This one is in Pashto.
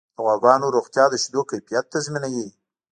د غواګانو روغتیا د شیدو کیفیت تضمینوي.